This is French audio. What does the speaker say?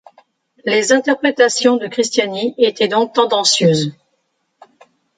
Les interprétations de Christiani étaient donc tendancieuses.